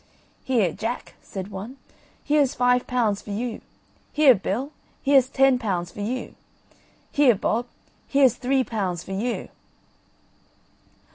"Here, Jack," said one, "here's five pounds for you; here, Bill, here's ten pounds for you; here, Bob, here's three pounds for you."